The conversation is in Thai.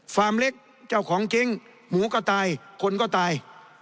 ฟาร์มเล็กเจ้าของเก้งหมูก็ตายคนก็ตาย